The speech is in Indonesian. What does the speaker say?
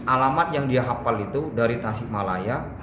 alamat yang dia hafal itu dari tasikmalaya